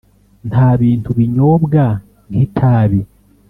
Ntabintu binyobwa nki tabi